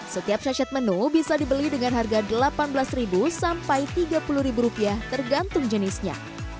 setiap sachet menu bisa dibeli dengan harga rp delapan belas rp tiga puluh tergantung jenisnya